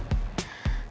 gak sabar dong